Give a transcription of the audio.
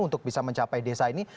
untuk bisa mencapai desa ini